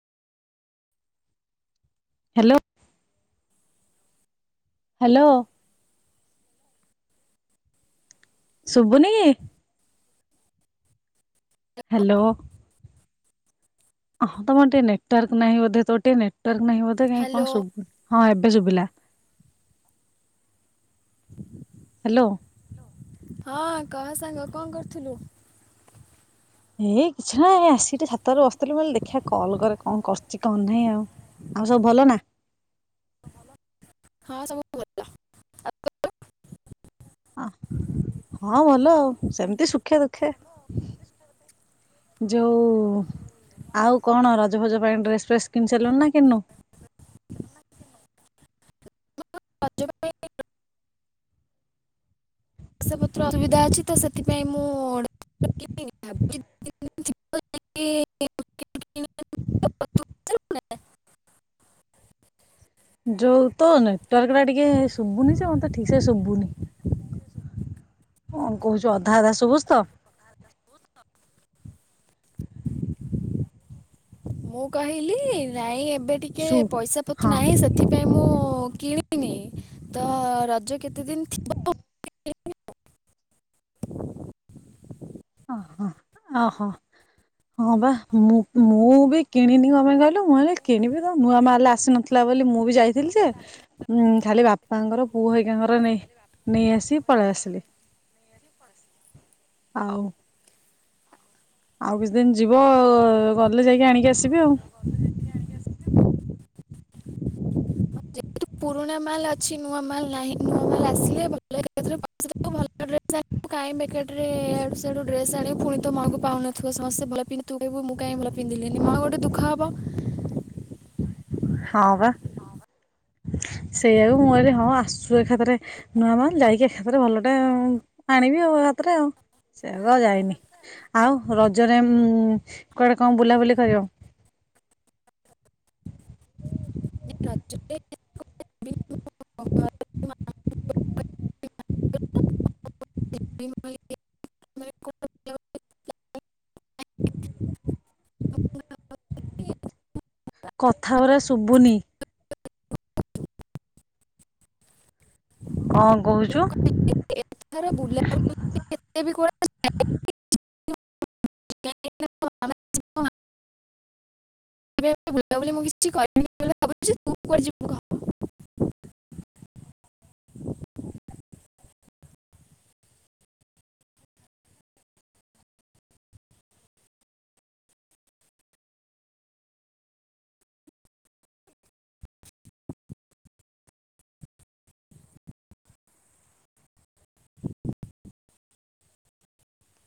Hello. Hello. ଶୁଭୁନିକିି? Hello. ହଁ ତମର ଟିକେ ନେଟୱାର୍କ ନାହିଁ ବଧେ ତୋର ଟିକେ [unintelligible] ନାହିଁ ବୋଧେ କାଇଁ ହ୍ୟାଲୋ କଣ ଶୁଭୁ ହଁ ଏବେ ଶୁଭିଲା। ହ୍ୟାଲୋ। ହଁ କହ ସାଙ୍ଗ କଣ କରୁଥିଲୁ। ଏଇ କିଛି ନା ଆସିି ଛାତରେ ବସିଥିଲି ବୋଲି ଦେଖିଆ କଲ୍ କରେ କଣ କରଛି କଣ ନାହିଁ ଆଉ। ଆଉ ସବୁ ଭଲନା? ହଁ ସବୁ ଭଳ ଆଉ ତୋର? ଅ ହଁ ଭଲ ଆଉ ସେମିତି ସୁ ଖେ ଦୁଃଖେ ଯୋଉ ଆଉ କଣ ରଜ। ଜ ଫଜ ପାଇଁ ଡ୍ରେସ ଫେସ କିଣି ସାରିଲୁଣି ନା କିଣିନୁ? ପାଇଁ ପଇସା ପତ୍ର ଅସୁବିଧା ଅଛି ତ ସେଥିପାଇଁ ମୁଁ। [unintelligible] [unintelligible] [inaudible] ଯୋଉ ତ ନେଟୱାର୍କ ଟା ଟିକେ ଶୁଭୁନି ଯେ ମତେ ଠିକସେ ଶୁବୁନି। ହଁ କହୁଛୁ ଅଧା ଅଧା ସୁଭୁଜିତ। ମୁଁ କହିଲି ନାଇଁ ଏ ଏବେ ଟିକେ ଶୁ ପଇସା ପତ୍ର ହଁ ନାହିଁ ସେଥିପାଇଁ ମୁଁ କିଣିନି ତ ରଜ କେତେ ଦିନ ଥିବ। [unintelligible] ଅହଂ ଓହୋ। ହଁ ବା ମୁଁ ମୁଁ ବି କିଣିନି କଣ ପାଇଁ କହିଲୁ ମୁଁ ଭାବିଲି କିଣିବି ତ ନୂଆମାଲ ଆସିନଥିଲା। ବୋଲି ମୁଁ ବି ଯାଇଥିଲି ଯେ ଉଁ ଖାଲି ବାପାଙ୍କର ପୁଅ ହେରିଙ୍କାର ନେ ନେଇ ଆସି ପଳେଇ ଆସିଲି। ଆଉ। ଆଉ କିଛି ଦିନ ଯିବ ଗଲେ ଯାଇକି ଆଣିକି ଆସିବି ଆଉ। ତୁ ପୁରୁଣା ମାଲ ଅଛି ନୂଆ ମାଲ୍ ନାହିଁ ନୂଆ ମାଲ ଆସିଲେ ଭଲ [unintelligible] ଭଲ। [inaudible] ମୁଁ କାଇଁ ବେକେର ଟାରେ ସିଆଡୁ ଡ୍ରେସ ଆଣି ଫୁଣି ତୁ ମନକୁ ପାଉ ନଥିବ ସମସ୍ତେ ଭଲ ପିନ୍ଧୁଥିବେ ତୁ କହୁବୁ ମୁଁ କାଇଁ ଭଲ ପିନ୍ଧିଲିଣି ମନ ଗୋଟେ ଦୁଃଖ ହେବ। ହଁ ବା। ସେଇଆକୁ ମୁଁ କହିଲି ହଁ ଆସୁଛୁ ଏକାଥରେ ନୂଆ ମାଲ ଯାଇକି ଏକାଥରେ ଭଲଟେ ଆଣି ବି ଆଉ ଏ ହାତରେ ଆଉ। ସେଇଆକୁ ଆଉ ଯାଇନି। ଆଉ ରଜରେ କୁଆଡେ କଣ ବୁଲାବୁଲି କରିବ? [inaudible] ନାଇ ରଜରେ କୁଆଡେ ଯିବିନି ମୁ ଆମ ଘରେ [unintelligible] [unintelligible] [inaudible] [unintelligible] କଥାଗୁରା ଶୁଭୁନି। କଣ କହୁଛୁ। ଏଥର ବୁଲାବୁଲି ଏତେ ବି କୁଆଡ଼େ ଯାଇନି। [unintelligible] ବୁଲାବୁଲି ମୁଁ କିଛି କରିବିନି ବୋଲି ଭାବୁଚି ତୁ କୁଆଡେ ଯିବୁ କହ। ଆ [unintelligible]